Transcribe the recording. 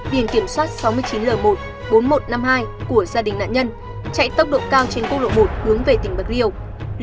biển kiểm soát sáu mươi chín l một bốn nghìn một trăm năm mươi hai của gia đình nạn nhân chạy tốc độ cao trên quốc lộ một hướng về tỉnh bạc liêu